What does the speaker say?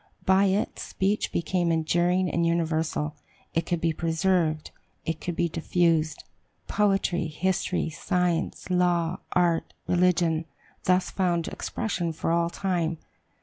By it speech became enduring and universal; it could be preserved, it could be diffused. Poetry, history, science, law, art, religion, thus found expression for all time.